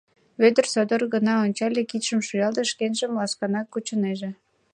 Вӧдыр содор гына ончале, кидшым шуялтыш, шкенжым ласканак кучынеже.